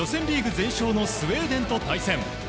全勝のスウェーデンと対戦。